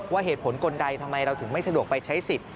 ว่าเหตุผลกลใดทำไมเราถึงไม่สะดวกไปใช้สิทธิ์